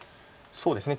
そうですね